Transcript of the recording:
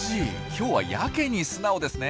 今日はやけに素直ですね。